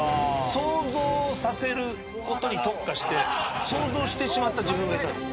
想像させることに特化して想像してしまった自分がいたんです。